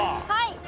はい！